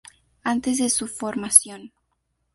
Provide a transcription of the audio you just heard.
Antes de su formación.